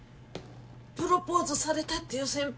プロポーズされたっていう先輩？